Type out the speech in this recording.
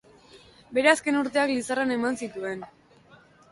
Bere azken urteak Lizarran eman zituen.